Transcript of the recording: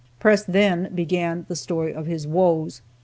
Press then began the story of his woes.